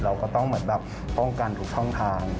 เราก็ต้องเหมือนแบบป้องกันทุกช่องทาง